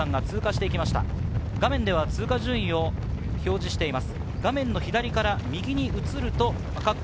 画面では通過順位を表示しています。